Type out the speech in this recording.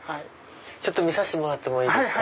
見させてもらってもいいですか。